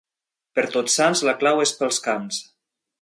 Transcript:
Per Tots Sants, la clau és pels camps.